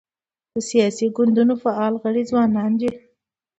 د سیاسي ګوندونو فعال غړي ځوانان دي.